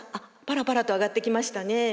パラパラと挙がってきましたね。